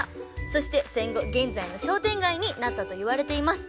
そして戦後現在の商店街になったといわれています。